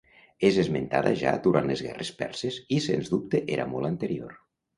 És esmentada ja durant les guerres perses i sens dubte era molt anterior.